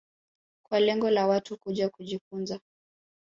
kwa lengo la Watu kuja kujifunza